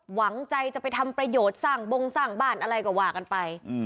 หวังใจจะไปทำประโยชน์สร้างบงสร้างบ้านอะไรก็ว่ากันไป